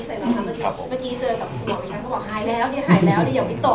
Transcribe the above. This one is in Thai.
เมื่อกี้เจอกับคุณหมอวิชัยเขาบอกหายแล้วหายแล้วอย่าวิตก